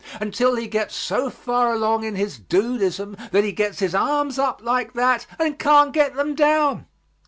Until he gets so far along in his dudeism that he gets his arms up like that and can't get them down.